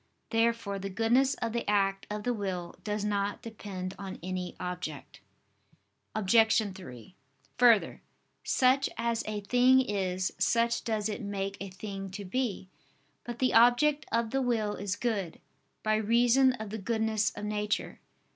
Therefore the goodness of the act of the will does not depend on any object. Obj. 3: Further, such as a thing is, such does it make a thing to be. But the object of the will is good, by reason of the goodness of nature.